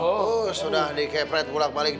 oh sudah dikepret pulak balik